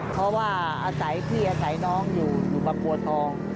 เพราะว่าอาศัยพี่อาศัยน้องอยู่อยู่บางบัวทอง